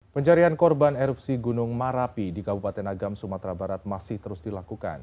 pencarian korban erupsi gunung marapi di kabupaten agam sumatera barat masih terus dilakukan